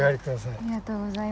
ありがとうございます。